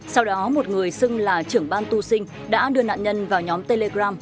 sau đó một người xưng là trưởng ban tu sinh đã đưa nạn nhân vào nhóm telegram